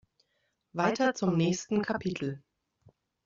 Weiter zum nächsten Kapitel.